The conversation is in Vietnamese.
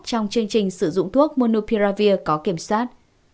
trong chương trình sử dụng thuốc monopiravir có kiểm soát